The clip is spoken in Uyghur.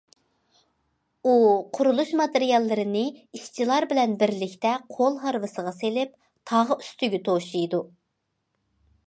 ئۇ قۇرۇلۇش ماتېرىياللىرىنى ئىشچىلار بىلەن بىرلىكتە قول ھارۋىسىغا سېلىپ تاغ ئۈستىگە توشىدۇ.